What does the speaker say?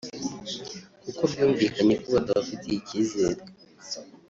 kuko byumvikanye ko batabafitiye icyizere